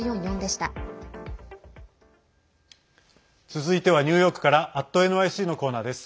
続いてはニューヨークから「＠ｎｙｃ」のコーナーです。